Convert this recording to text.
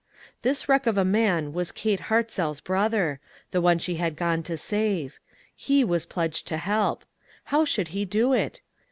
This wreck of a man was Kate Hartzell's brother — the one she had gone to save. He was pledged to help. How should he do it?